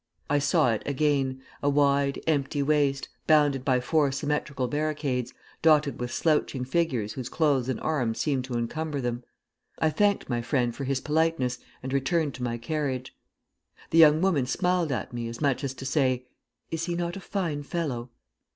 I saw it again, a wide, empty waste, bounded by four symmetrical barricades, dotted with slouching figures whose clothes and arms seemed to encumber them.... I thanked my friend for his politeness, and returned to my carriage. The young woman smiled at me, as much as to say: 'Is he not a fine fellow?'